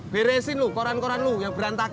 beresin lu koran koran lu yang berantakan lu